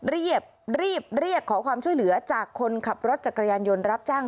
รีบรีบเรียกขอความช่วยเหลือจากคนขับรถจักรยานยนต์รับจ้าง